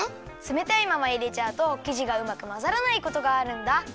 つめたいままいれちゃうときじがうまくまざらないことがあるんだ。